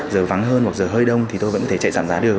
giờ vắng hơn hoặc giờ hơi đông thì tôi vẫn có thể chạy giảm giá được